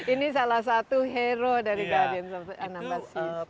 ini salah satu hero dari guardians of the anambas seas